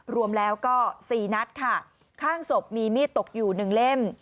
รวมแล้วก็สี่นัดค่ะข้างศพมีมีดตกอยู่หนึ่งเล่ม